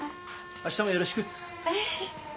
明日もよろしく。